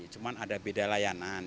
cuman ada beda layanan